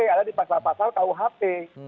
ada di pasal pasal kuhp